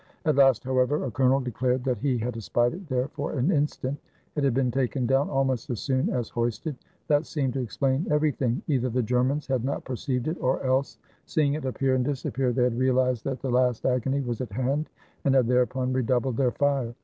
At last, however, a colonel declared that he had espied it there for an instant ; it had been taken down almost as soon as hoisted. That seemed to explain every thing; either the Germans had not perceived it, or else, seeing it appear and disappear, they had realized that the last agony was at hand, and had thereupon redoubled their fire.